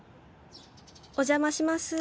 お邪魔します。